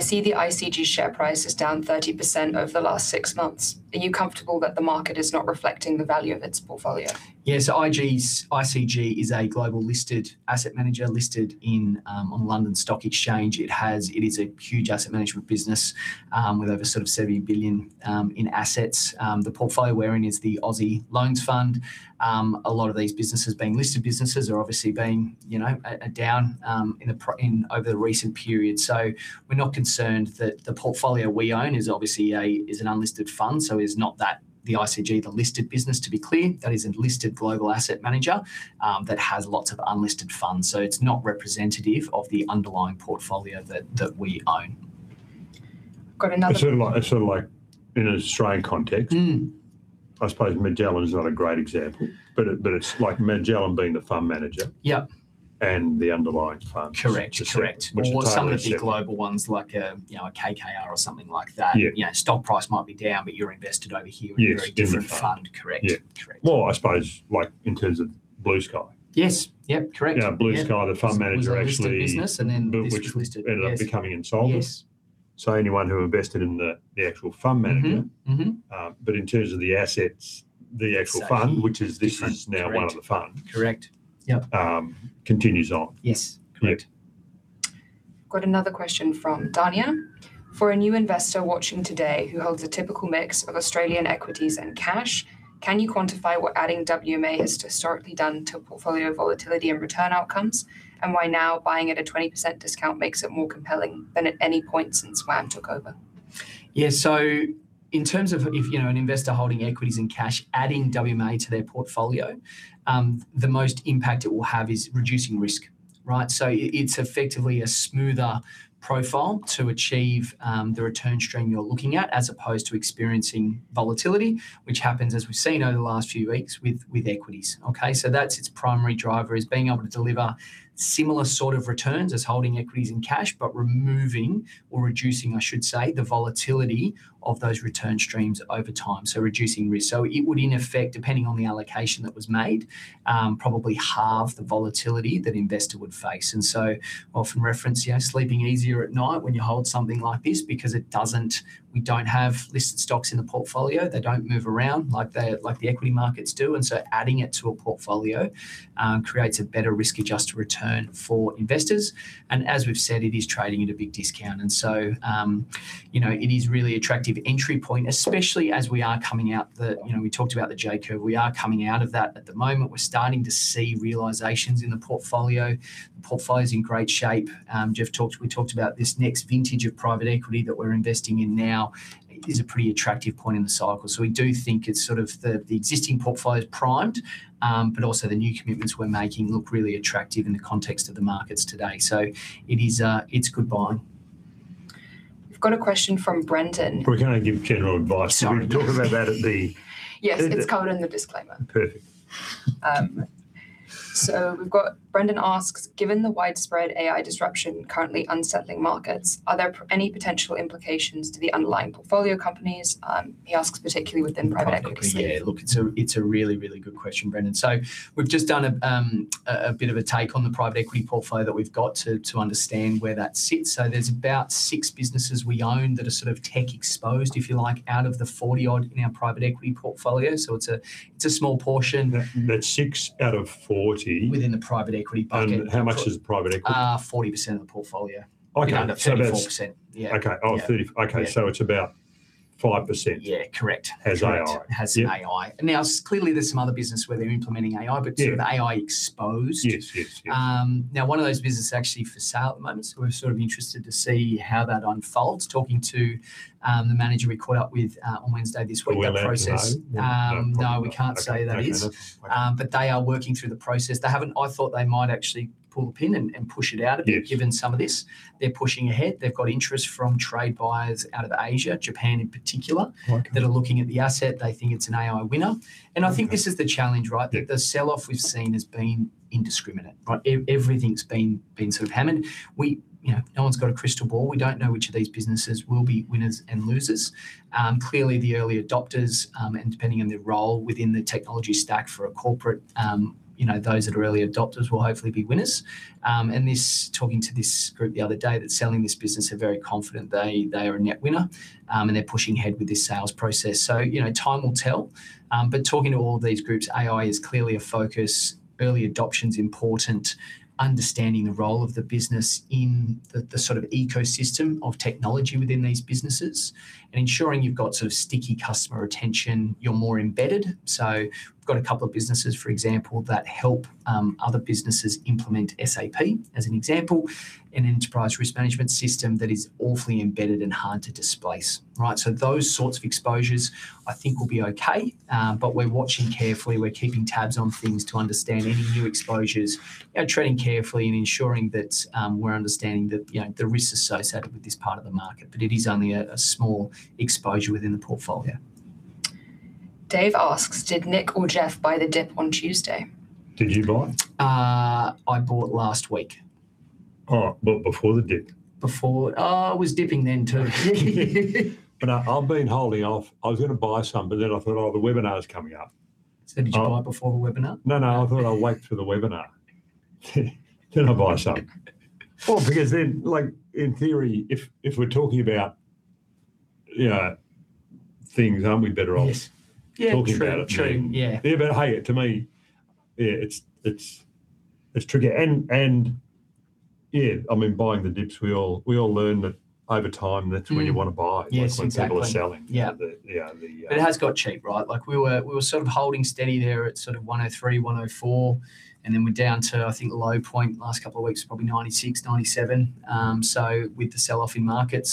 see the ICG share price is down 30% over the last six months. Are you comfortable that the market is not reflecting the value of its portfolio? Yeah. ICG is a global listed asset manager listed in on London Stock Exchange. It is a huge asset management business with over sort of 70 billion in assets. The portfolio we're in is the Aussie Loans Fund. A lot of these businesses, being listed businesses, are obviously been you know down in over the recent period. We're not concerned that the portfolio we own is obviously a is an unlisted fund, so is not that, the ICG, the listed business to be clear. That is a listed global asset manager that has lots of unlisted funds, so it's not representative of the underlying portfolio that we own. Got another one. It's sort of like in an Australian context. Mm. I suppose Magellan is not a great example, but it's like Magellan being the fund manager. Yep the underlying funds. Correct. which is totally separate. Some of the global ones like, you know, a KKR or something like that. Yeah. You know, stock price might be down, but you're invested over here. Yes, different fund. In a very different fund. Correct. Yeah. Correct. Well, I suppose, like in terms of Blue Sky. Yes. Yep. Correct. You know, Blue Sky, the fund manager actually. Was a listed business and then this was listed, yes. which ended up becoming insolvent. Yes. Anyone who invested in the actual fund manager- Mm-hmm. Mm-hmm. In terms of the assets, the actual fund- Exactly. Different. Correct. This is now one of the funds. Correct. Yep. Continues on. Yes. Correct. Got another question from Dania: "For a new investor watching today who holds a typical mix of Australian equities and cash, can you quantify what adding WMA has historically done to portfolio volatility and return outcomes, and why now buying at a 20% discount makes it more compelling than at any point since WAM took over? Yeah. In terms of if, you know, an investor holding equities and cash adding WMA to their portfolio, the most impact it will have is reducing risk, right? It's effectively a smoother profile to achieve the return stream you're looking at as opposed to experiencing volatility, which happens, as we've seen over the last few weeks with equities. Okay? That's its primary driver, is being able to deliver similar sort of returns as holding equities and cash, but removing or reducing, I should say, the volatility of those return streams over time, so reducing risk. It would, in effect, depending on the allocation that was made, probably halve the volatility that an investor would face. Often reference, you know, sleeping easier at night when you hold something like this because it doesn't. We don't have listed stocks in the portfolio. They don't move around like the equity markets do, and so adding it to a portfolio creates a better risk-adjusted return for investors. As we've said, it is trading at a big discount and so, you know, it is really attractive entry point, especially as we are coming out of the, you know, we talked about the J-curve. We are coming out of that at the moment. We're starting to see realizations in the portfolio. The portfolio's in great shape. Geoff talked, we talked about this next vintage of private equity that we're investing in now is a pretty attractive point in the cycle. We do think it's sort of the existing portfolio's primed, but also the new commitments we're making look really attractive in the context of the markets today. It is, it's good buying. We've got a question from Brendan. We're gonna give general advice. Sorry. We talked about that at the. Yes, it's covered in the disclaimer. Perfect. We've got Brendan asks, "Given the widespread AI disruption currently unsettling markets, are there any potential implications to the underlying portfolio companies?" He asks particularly within private equity. Within private equity. Yeah. Look, it's a really good question, Brendan. We've just done a bit of a take on the private equity portfolio that we've got to understand where that sits. There's about 6 businesses we own that are sort of tech exposed, if you like, out of the 40 odd in our private equity portfolio. It's a small portion. That's 6 out of 40. Within the private equity bucket. How much is private equity? 40% of the portfolio. Okay, that's. Around a 34%. Yeah. Okay. Yeah. Oh, 30. Okay. Yeah. It's about 5%- Yeah, correct. has AI. Correct. Yeah. Has AI. Now, clearly there's some other business where they're implementing AI, but. Yeah Sort of AI exposed. Yes, yes. Now one of those businesses is actually for sale at the moment, so we're sort of interested to see how that unfolds. Talking to the manager we caught up with on Wednesday this week. Do we let them know? the process. No, we can't say that is. Okay. No, no, that's. Okay. They are working through the process. They haven't. I thought they might actually pull the pin and push it out a bit. Yes Given some of this. They're pushing ahead. They've got interest from trade buyers out of Asia, Japan in particular. Okay that are looking at the asset. They think it's an AI winner. Okay. I think this is the challenge, right? Yeah. The sell-off we've seen has been indiscriminate, right? Everything's been sort of hammered. You know, no one's got a crystal ball. We don't know which of these businesses will be winners and losers. Clearly the early adopters, and depending on their role within the technology stack for a corporate, you know, those that are early adopters will hopefully be winners. This, talking to this group the other day that's selling this business are very confident they are a net winner, and they're pushing ahead with this sales process. You know, time will tell. Talking to all these groups, AI is clearly a focus, early adoption's important, understanding the role of the business in the sort of ecosystem of technology within these businesses, and ensuring you've got sort of sticky customer retention, you're more embedded. We've got a couple of businesses, for example, that help other businesses implement SAP, as an example, an enterprise resource planning system that is awfully embedded and hard to displace. Right, so those sorts of exposures I think will be okay. But we're watching carefully, we're keeping tabs on things to understand any new exposures. You know, treading carefully and ensuring that we're understanding the, you know, the risks associated with this part of the market, but it is only a small exposure within the portfolio. Dave asks, "Did Nick or Geoff buy the dip on Tuesday? Did you buy? I bought last week. Oh, before the dip? Oh, it was dipping then too. I've been holding off. I was gonna buy some, but then I thought, "Oh, the webinar's coming up. Did you buy before the webinar? No, no, I thought I'd wait for the webinar, then I'll buy some. Well, because then, like, in theory, if we're talking about, you know, things, aren't we better off? Yes talking about it then? Yeah, true. True, yeah. Yeah, but hey, to me, yeah, it's trigger. Yeah, I mean, buying the dips, we all learn that over time. Mm That's when you wanna buy. Yes, exactly. like, when people are selling. Yeah. The, yeah, the, uh- It has got cheap, right? Like, we were sort of holding steady there at sort of 1.03, 1.04, and then we're down to, I think, a low point last couple of weeks, probably 0.96, 0.97, so with the sell-off in the market.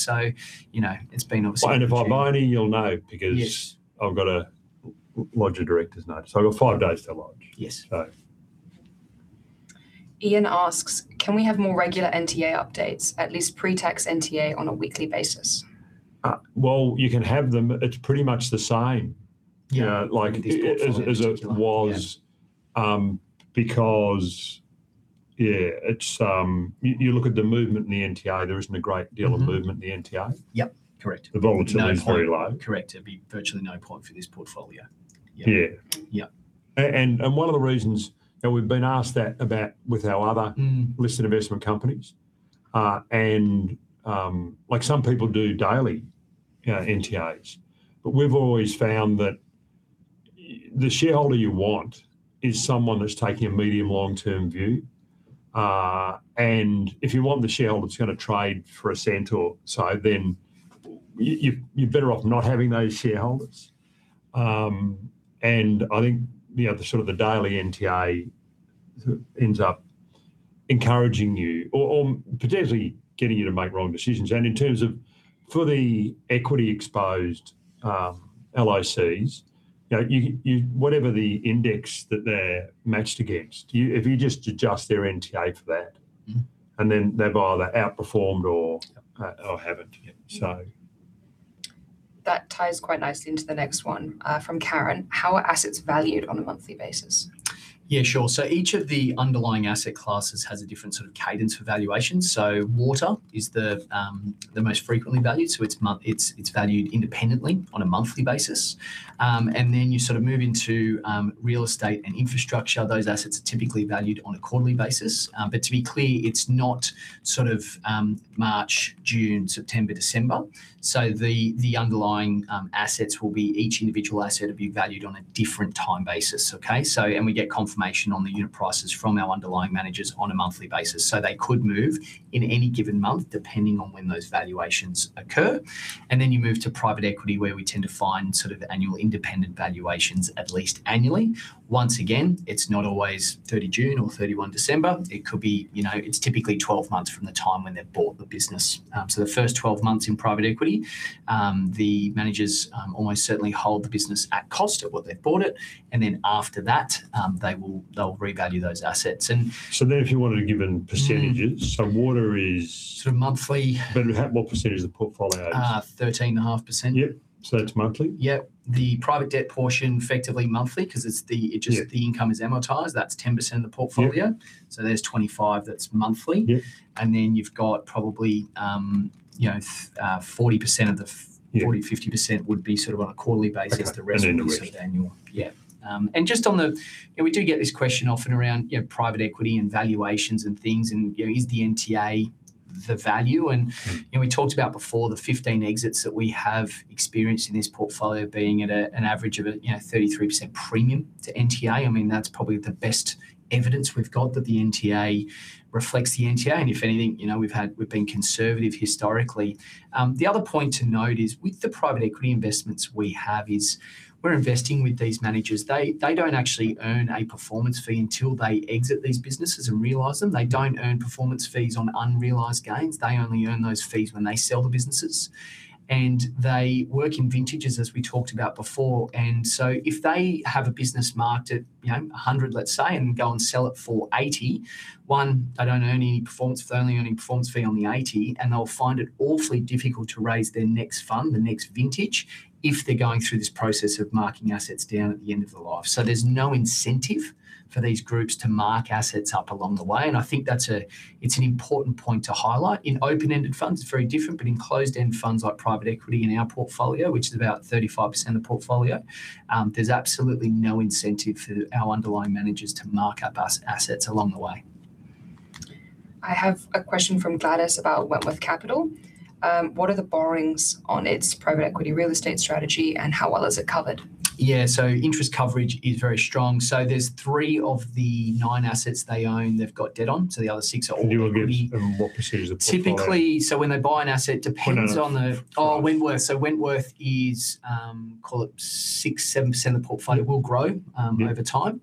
You know, it's been obviously. If I buy any, you'll know because. Yes I've got to lodge a director's note. Yeah. I've got five days to lodge. Yes. So... Ian asks, "Can we have more regular NTA updates, at least pre-tax NTA on a weekly basis? Well, you can have them, it's pretty much the same. Yeah. You know, like. With this portfolio, yeah. As it was, because yeah, it's you look at the movement in the NTA. There isn't a great deal of movement. Mm-hmm in the NTA. Yep, correct. The volatility is very low. No, it's very correct. There'd be virtually no point for this portfolio. Yeah. Yeah. Yeah. one of the reasons, and we've been asked that about with our other- Mm -listed Investment Companies. Like some people do daily, you know, NTAs. But we've always found that the shareholder you want is someone that's taking a medium long-term view. If you want the shareholder that's gonna trade for a cent or so, then you're better off not having those shareholders. I think, you know, the sort of daily NTA sort of ends up encouraging you or potentially getting you to make wrong decisions. In terms of for the equity exposed LICs, you know, whatever the index that they're matched against, if you just adjust their NTA for that- Mm-hmm They've either outperformed or. Yep or haven't. Yeah. So... That ties quite nicely into the next one, from Karen: "How are assets valued on a monthly basis? Yeah, sure. Each of the underlying asset classes has a different sort of cadence for valuation. Water is the most frequently valued, so it's valued independently on a monthly basis. Then you sort of move into real estate and infrastructure. Those assets are typically valued on a quarterly basis. But to be clear, it's not sort of March, June, September, December. The underlying assets will be, each individual asset will be valued on a different time basis. Okay. We get confirmation on the unit prices from our underlying managers on a monthly basis, so they could move in any given month depending on when those valuations occur. Then you move to private equity, where we tend to find sort of annual independent valuations at least annually. Once again, it's not always 30 June or 31 December. It could be, you know, it's typically 12 months from the time when they've bought the business. The first 12 months in private equity, the managers almost certainly hold the business at cost at what they've bought it, and then after that, they'll revalue those assets. If you wanted a given percentages. Mm Water is Sort of monthly. What percentage of the portfolio is it? Uh, 13.5%. Yep. That's monthly? Yep. The private debt portion, effectively monthly. Yeah The income is amortized, that's 10% of the portfolio. Yep. There's 25 that's monthly. Yep. You've got probably, you know, 40% of the Yeah 40%-50% would be sort of on a quarterly basis. Okay. The rest is sort of annual. Yeah. Just on the, you know, we do get this question often around, you know, private equity and valuations and things and, you know, is the NTA the value? Mm You know, we talked about before the 15 exits that we have experienced in this portfolio being at an average of a you know 33% premium to NTA. I mean, that's probably the best evidence we've got that the NTA reflects the NTA. If anything, you know, we've been conservative historically. The other point to note is, with the private equity investments we have is, we're investing with these managers. They don't actually earn a performance fee until they exit these businesses and realize them. They don't earn performance fees on unrealized gains. They only earn those fees when they sell the businesses. They work in vintages, as we talked about before. If they have a business marked at, you know, 100, let's say, and go and sell it for 81, they don't earn any performance fee. They only earn any performance fee on the 80, and they'll find it awfully difficult to raise their next fund, the next vintage, if they're going through this process of marking assets down at the end of the life. There's no incentive for these groups to mark assets up along the way, and I think that's an important point to highlight. In open-ended funds, it's very different, but in closed-end funds like private equity in our portfolio, which is about 35% of the portfolio, there's absolutely no incentive for our underlying managers to mark up assets along the way. I have a question from Gladys about Wentworth Capital. What are the borrowings on its private equity real estate strategy, and how well is it covered? Yeah. Interest coverage is very strong. There's three of the nine assets they own they've got debt on, so the other 6 are all equity. Can you give us what percentage of portfolio- Typically, when they buy an asset, depends on the No, no. Wentworth is call it 6-7% of the portfolio. It will grow over time.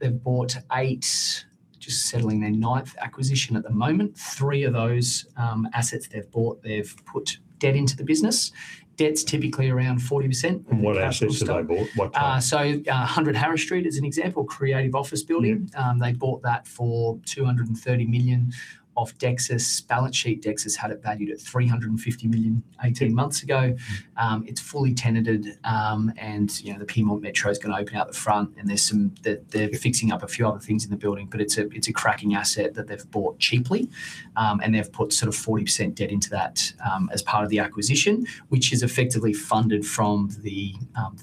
They've bought 8, just settling their ninth acquisition at the moment. Three of those assets they've bought, they've put debt into the business. Debt's typically around 40% of the capital stack. What assets have they bought? What type? 100 Harris Street, as an example, creative office building. Yeah. They bought that for 230 million off Dexus' balance sheet. Dexus had it valued at 350 million 18 months ago. It's fully tenanted. You know, the Pyrmont Metro is gonna open out the front, and that they're fixing up a few other things in the building, but it's a cracking asset that they've bought cheaply. They've put sort of 40% debt into that, as part of the acquisition, which is effectively funded from the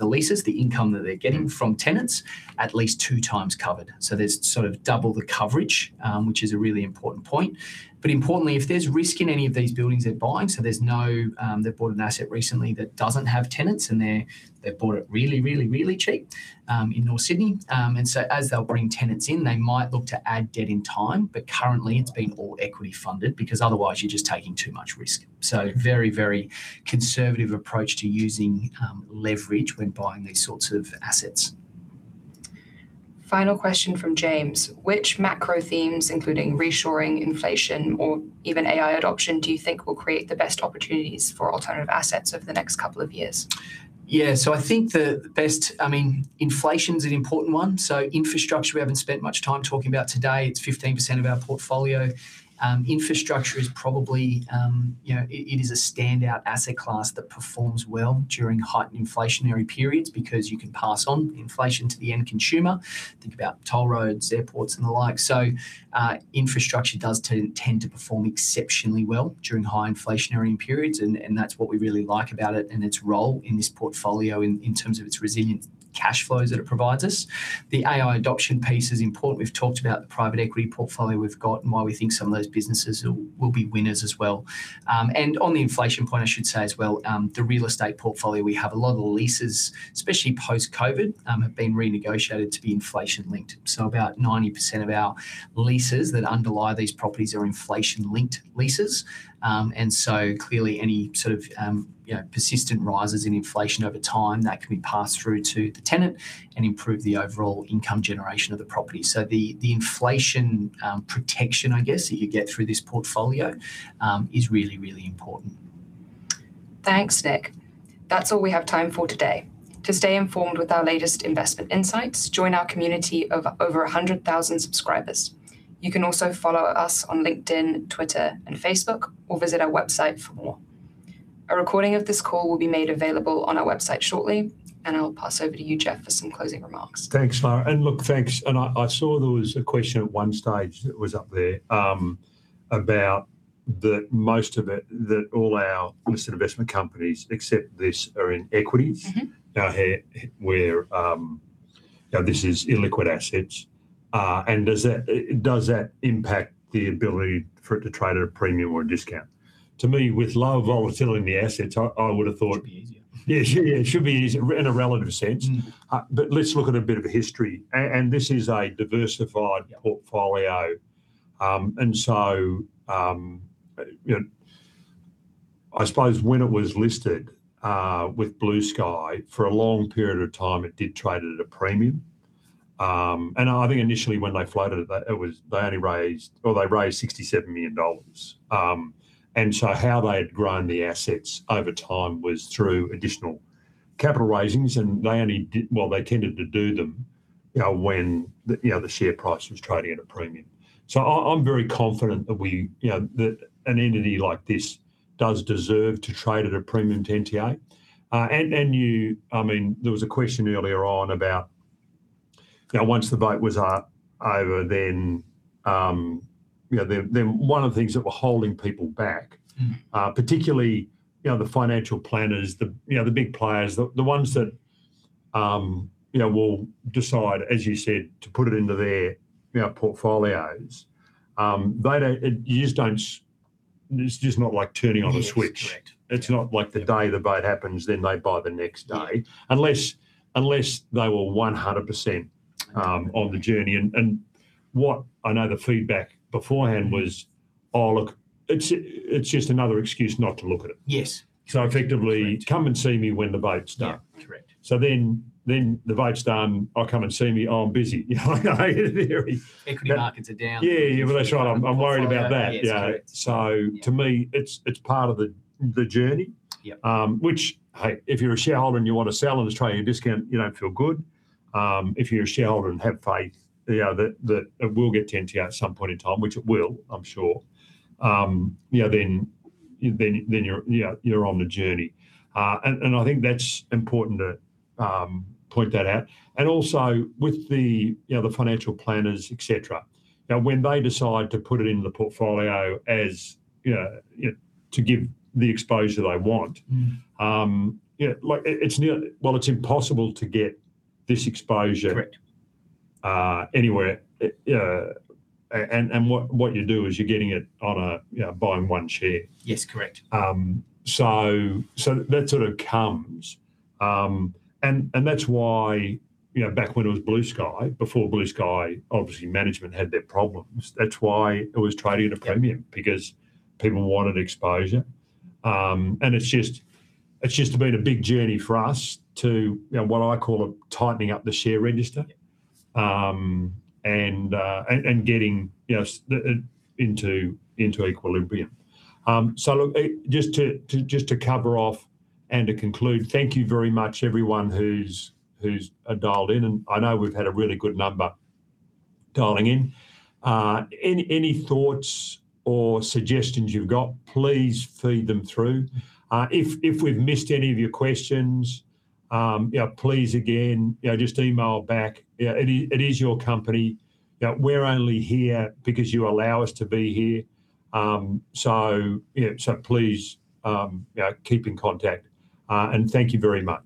leases, the income that they're getting from tenants at least 2 times covered. There's sort of double the coverage, which is a really important point. Importantly, if there's risk in any of these buildings they're buying, so there's no. They've bought an asset recently that doesn't have tenants, they've bought it really cheap in North Sydney. As they'll bring tenants in, they might look to add debt in time, but currently it's been all equity funded because otherwise you're just taking too much risk. Very conservative approach to using leverage when buying these sorts of assets. Final question from James. Which macro themes, including reshoring, inflation or even AI adoption, do you think will create the best opportunities for alternative assets over the next couple of years? I mean, inflation's an important one. Infrastructure we haven't spent much time talking about today, it's 15% of our portfolio. Infrastructure is probably, you know, it is a standout asset class that performs well during heightened inflationary periods because you can pass on inflation to the end consumer. Think about toll roads, airports, and the like. Infrastructure tends to perform exceptionally well during high inflationary periods, and that's what we really like about it and its role in this portfolio in terms of its resilient cash flows that it provides us. The AI adoption piece is important. We've talked about the private equity portfolio we've got and why we think some of those businesses will be winners as well. On the inflation point, I should say as well, the real estate portfolio, we have a lot of the leases, especially post-COVID, have been renegotiated to be inflation linked. About 90% of our leases that underlie these properties are inflation linked leases. Clearly any sort of, you know, persistent rises in inflation over time, that can be passed through to the tenant and improve the overall income generation of the property. The inflation protection, I guess, that you get through this portfolio is really, really important. Thanks, Nick. That's all we have time for today. To stay informed with our latest investment insights, join our community of over 100,000 subscribers. You can also follow us on LinkedIn, Twitter and Facebook, or visit our website for more. A recording of this call will be made available on our website shortly, and I'll pass over to you, Geoff, for some closing remarks. Thanks, Lara. Look, thanks, and I saw there was a question at one stage that was up there, about that all our Listed Investment Companies, except this, are in equities. Mm-hmm. Now this is illiquid assets. Does that impact the ability for it to trade at a premium or a discount? To me, with low volatility in the assets, I would have thought. It should be easier. Yeah. It should be easier in a relative sense. Mm. Let's look at a bit of a history. This is a diversified- Yeah -portfolio. You know, I suppose when it was listed with Blue Sky, for a long period of time, it did trade at a premium. I think initially when they floated it, they only raised, or they raised 67 million dollars. How they'd grown the assets over time was through additional capital raisings. Well, they tended to do them, you know, when the share price was trading at a premium. I'm very confident that we, you know, that an entity like this does deserve to trade at a premium to NTA. And you... I mean, there was a question earlier on about, you know, once the vote was over then, you know, then one of the things that were holding people back. Mm Particularly, you know, the financial planners, you know, the big players, the ones that, you know, will decide, as you said, to put it into their, you know, portfolios, they don't, you just don't. It's just not like turning on a switch. Yes. Correct. Yeah. It's not like the day the vote happens, then they buy the next day. Yeah. Unless they were 100% on the journey. What I know the feedback beforehand was, "Oh, look, it's just another excuse not to look at it. Yes. Effectively. That's right. Come and see me when the vote's done. Yeah. Correct. The vote's done. "Oh, come and see me." "Oh, I'm busy." You know. Equity markets are down. Yeah, yeah. Well, that's right. I'm worried about that. Yes. Correct. You know. To me, it's part of the journey. Yeah. Hey, if you're a shareholder and you want to sell and it's trading at a discount, you don't feel good. If you're a shareholder and have faith, you know, that it will get to NTA at some point in time, which it will, I'm sure, you know, then you're, you know, you're on the journey. I think that's important to point that out. Also with the financial planners, et cetera, you know, when they decide to put it into the portfolio as, you know, you know, to give the exposure they want- Mm You know, like, well, it's impossible to get this exposure- Correct -anywhere. What you do is you're getting it on a, you know, buying one share. Yes. Correct. That sort of comes and that's why, you know, back when it was Blue Sky, before Blue Sky, obviously management had their problems. That's why it was trading at a premium, because people wanted exposure. It's just been a big journey for us to, you know, what I call it tightening up the share register. Yeah. Getting, you know, into equilibrium. Look, just to cover off and to conclude, thank you very much everyone who's dialed in, and I know we've had a really good number dialing in. Any thoughts or suggestions you've got, please feed them through. If we've missed any of your questions, you know, please again, you know, just email back. You know, it is your company. You know, we're only here because you allow us to be here. You know, so please, you know, keep in contact. Thank you very much.